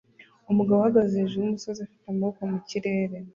Umugabo ahagaze hejuru yumusozi afite amaboko mu kirere